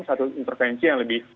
satu intervensi yang lebih